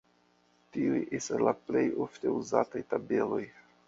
Tiuj estas la plej ofte uzataj tabeloj.